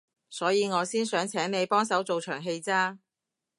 所以我先想請你幫手做場戲咋